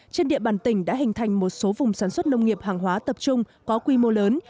trên địa bàn tỉnh đã hình thành một số vùng sản xuất nông nghiệp hàng hóa tập trung có quy mô lớn